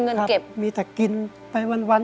เงินเก็บมีแต่กินไปวัน